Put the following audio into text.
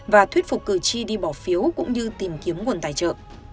và thuyết phục cử tri đi bỏ phiếu cũng như tìm kiếm nguồn tài trợ